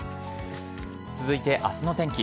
続いて明日の天気。